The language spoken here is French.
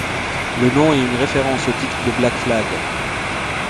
Le nom est une référence au titre de Black Flag.